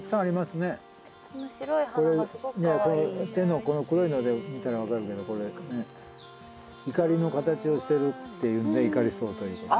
手のこの黒いので見たら分かるけどこれねいかりの形をしてるっていうんでイカリソウということで。